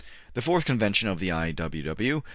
The fourth convention of the I. W. W.